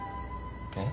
えっ？